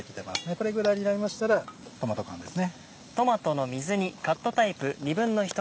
これぐらいになりましたらトマト缶ですね。